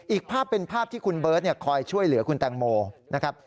อีกภาพเป็นภาพที่คุณเบิร์ตคอยช่วยเหลือคุณแตงโมนะครับ